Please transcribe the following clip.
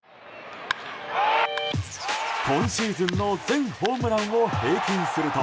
今シーズンの全ホームランを平均すると。